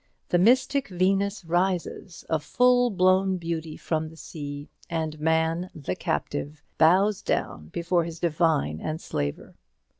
The mystic Venus rises a full blown beauty from the sea, and man the captive bows down before his divine enslaver.